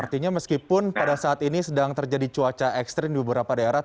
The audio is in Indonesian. artinya meskipun pada saat ini sedang terjadi cuaca ekstrim di beberapa daerah